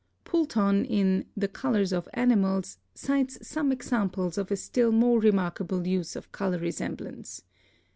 Poulton, in The Colors of Animals,' cites some examples of a still more remarkable use of color resemblance.